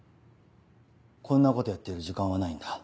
こんなことやってる時間はないんだ。